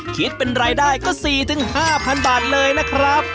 คิดเป็นรายได้ก็๔๕๐๐บาทเลยนะครับ